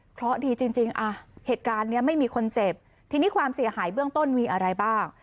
เพราะดีจริงจริงอ่ะเหตุการณ์เนี้ยไม่มีคนเจ็บทีนี้ความเสียหายเบื้องต้นมีอะไรบ้าง